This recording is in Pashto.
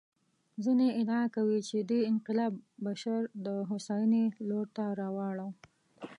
ځینې ادعا کوي چې دې انقلاب بشر د هوساینې لور ته راوړ.